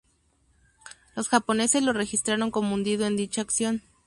Los japoneses lo registraron como hundido en dicha acción.